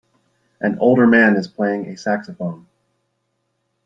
An older man is playing a saxophone